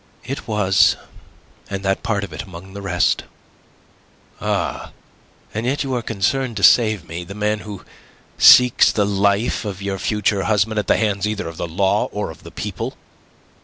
"It was, and that part of it among the rest." "Ah! And yet you are concerned to save me, the man who seeks the life of your future husband at the hands either of the law or of the people?